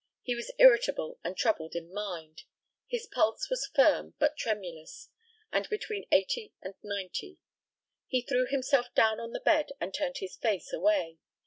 He was irritable and troubled in mind. His pulse was firm, but tremulous, and between 80 and 90. He threw himself down on the bed and turned his face away.